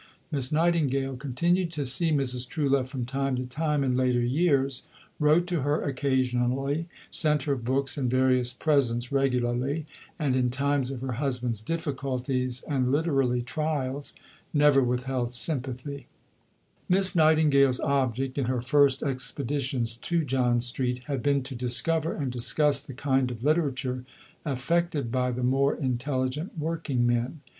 Miss Nightingale continued to see Mrs. Truelove from time to time in later years; wrote to her occasionally; sent her books and various presents regularly; and in times of her husband's difficulties and (literally) trials, never withheld sympathy. Letter to Sir John McNeill, May 17, 1860. Miss Nightingale's object, in her first expeditions to John Street, had been to discover and discuss the kind of literature affected by the more intelligent working men.